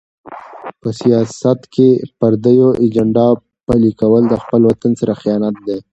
په سیاست کې د پردیو ایجنډا پلي کول د خپل وطن سره خیانت دی.